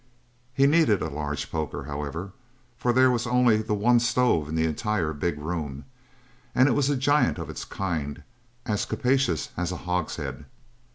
He needed a large poker, however, for there was only the one stove in the entire big room, and it was a giant of its kind, as capacious as a hogshead.